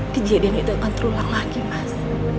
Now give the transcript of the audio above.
kejadian itu akan terulang lagi mas